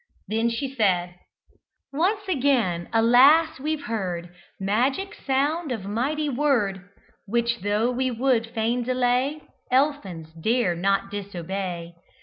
Then she said, "Once again, alas! we've heard Magic sound of mighty word; Which, tho' we would fain delay, Elfins dare not disobey.